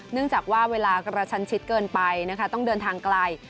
เนื่องจากว่าเวลากระชันชิดเกินไปนะคะต้องเดินทางไกล